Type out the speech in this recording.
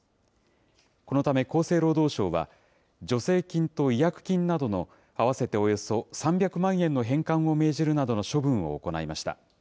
このため厚生労働省は、助成金と違約金などの合わせておよそ３００万円の返還を命じるなどの処分を行いました。